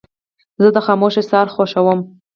زه د خاموشو سهارو خوښوم.